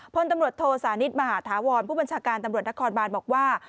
พลตำรวจโทสานิทมหาธาวรผู้บัญชาการตำรวจนครบานบอกว่า